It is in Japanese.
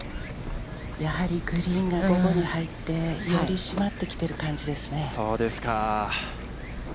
やはりグリーンが、より締まってきている感じですね。